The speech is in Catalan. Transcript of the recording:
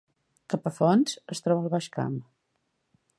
Capafonts es troba al Baix Camp